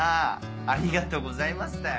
ありがとうございますだよ。